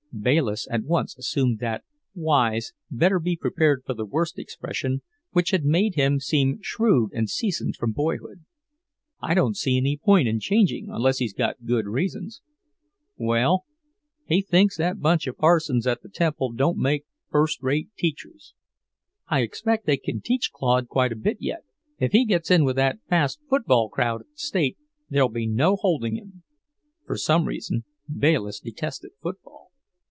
Bayliss at once assumed that wise, better be prepared for the worst expression which had made him seem shrewd and seasoned from boyhood. "I don't see any point in changing unless he's got good reasons." "Well, he thinks that bunch of parsons at the Temple don't make first rate teachers." "I expect they can teach Claude quite a bit yet. If he gets in with that fast football crowd at the State, there'll be no holding him." For some reason Bayliss detested football.